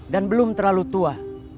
dan belum terlalu tua